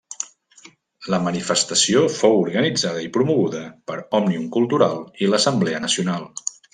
La manifestació fou organitzada i promoguda per Òmnium Cultural i l'Assemblea Nacional.